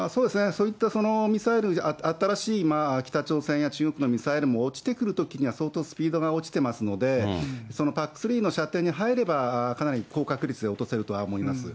そういったミサイル、新しい北朝鮮や中国のミサイルも落ちてくるときには相当スピードが落ちてますので、そのＰＡＣ３の射程に入れば、かなり高確率で落とせるとは思います。